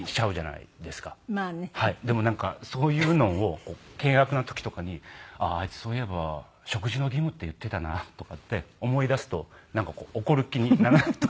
でもなんかそういうのを険悪な時とかにあああいつそういえば「食事の義務」って言ってたなとかって思い出すとなんかこう怒る気にならないといいますか。